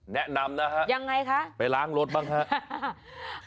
แนะนำนะฮะไปล้างรถบ้างฮะยังไงคะ